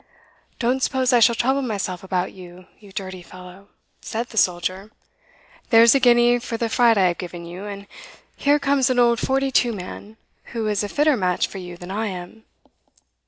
"Don't suppose I shall trouble myself about you, you dirty fellow," said the soldier; "there's a guinea for the fright I have given you; and here comes an old forty two man, who is a fitter match for you than I am."